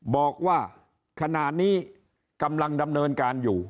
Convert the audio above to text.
บอกว่าขณะนี้กำลังดำเนินการอยู่